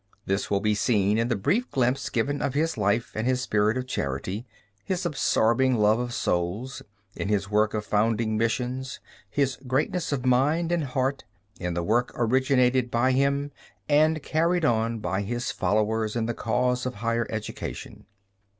This will be seen in the brief glimpse given of his life and his spirit of charity, his absorbing love for souls, in his work of founding missions, his greatness of mind and heart, in the work originated by him, and carried on by his followers, in the cause of higher education.